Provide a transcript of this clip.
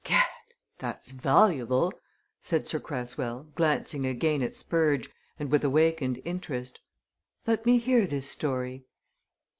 "Gad! that's valuable!" said Sir Cresswell, glancing again at Spurge, and with awakened interest. "Let me hear this story."